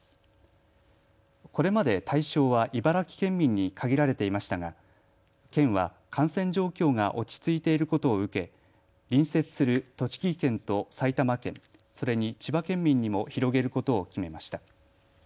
これまで対象は茨城県民に限られていましたが県は感染状況が落ち着いていることを受け隣接する栃木県と埼玉県、それに千葉県民にも広げることを決めました。